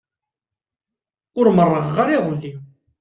Ur merrɣeɣ ara iḍelli.